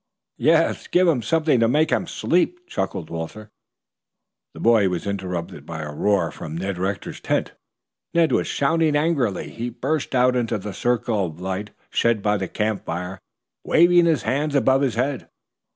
"Yes, give him something to make him sleep," chuckled Walter. The boy was interrupted by a roar from Ned Rector's tent. Ned was shouting angrily. He burst out into the circle of light shed by the camp fire, waving his hands above his head.